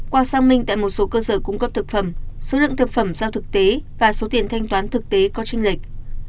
qua sang minh tại một số cơ sở cung cấp thực phẩm số lượng thực phẩm giao thực tế và số tiền thanh toán thực tế có tranh lệch